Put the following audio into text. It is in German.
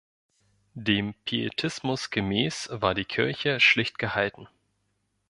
Dem Pietismus gemäß war die Kirche schlicht gehalten.